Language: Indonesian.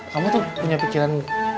kamu tuh punya pikiran